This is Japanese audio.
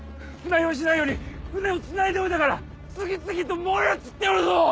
船酔いしないように船をつないでおいたから次々と燃え移っておるぞ。